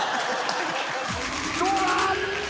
どうだ